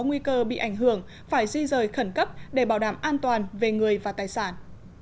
nguy cơ bị ảnh hưởng phải di rời khẩn cấp để bảo đảm an toàn về người và tài sản